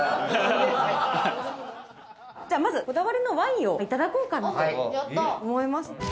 じゃあまずこだわりのワインをいただこうかなと思います。